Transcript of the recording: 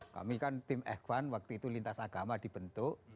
kami kan tim ekvan waktu itu lintas agama dibentuk